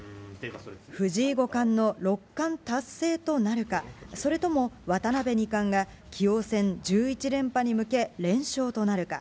藤井五冠の六冠達成となるか、それとも、渡辺二冠が棋王戦１１連覇に向け連勝となるか。